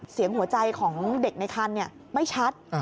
เสียงหัวใจของเด็กในคันไม่ชัด